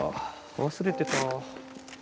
忘れてた。